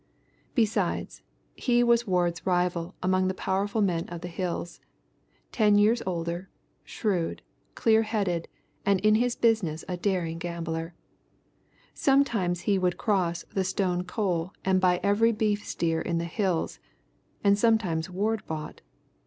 Besides, he was Ward's rival among the powerful men of the Hills, ten years older, shrewd, clear headed, and in his business a daring gambler. Sometimes he would cross the Stone Coal and buy every beef steer in the Hills, and sometimes Ward bought.